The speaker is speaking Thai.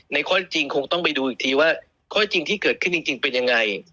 ข้อที่จริงคงต้องไปดูอีกทีว่าข้อจริงที่เกิดขึ้นจริงเป็นยังไง